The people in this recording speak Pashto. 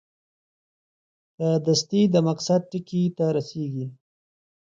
په دستي د مقصد ټکي ته رسېږي.